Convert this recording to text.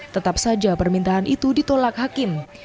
tetap saja permintaan itu ditolak hakim